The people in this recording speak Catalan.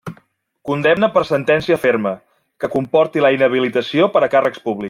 Condemna per sentència ferma, que comporti la inhabilitació per a càrrecs públics.